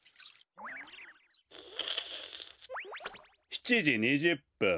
７じ２０ぷん。